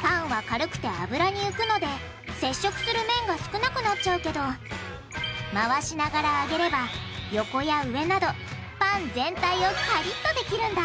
パンは軽くて油に浮くので接触する面が少なくなっちゃうけど回しながら揚げれば横や上などパン全体をカリッとできるんだ。